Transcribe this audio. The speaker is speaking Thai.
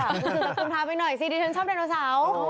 รู้สึกว่าคุณทำให้หน่อยซิดิฉันชอบไดโนเสาร์